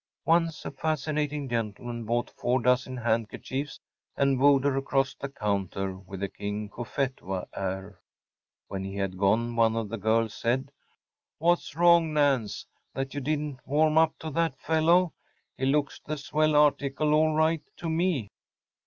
Once a fascinating gentleman bought four dozen handkerchiefs, and wooed her across the counter with a King Cophetua air. When he had gone one of the girls said: “What’s wrong, Nance, that you didn’t warm up to that fellow. He looks the swell article, all right, to me.